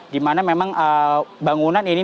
dimana memang bangunan ini